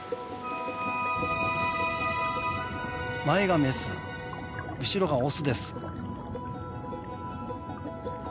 前がメス後ろがオスです。